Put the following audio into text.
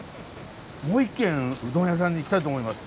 もう一軒うどん屋さんに行きたいと思います。